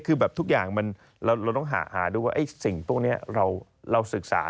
คือแบบทุกอย่างเราต้องหาดูว่าไอ้สิ่งพวกนี้เราศึกษา